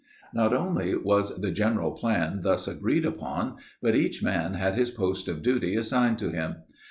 "Not only was the general plan thus agreed upon, but each man had his post of duty assigned to him.